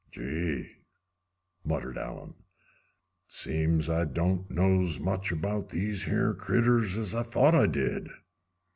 "Gee!" muttered Allen. "Seems I don't know's much about these here critters as I thought I did!"